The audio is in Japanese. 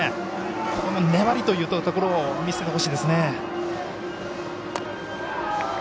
ここの粘りといったところを見せてほしいですね。